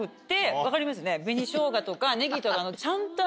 分かりますよね？